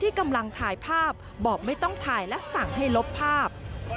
กำลังถ่ายภาพบอกไม่ต้องถ่ายและสั่งให้ลบภาพ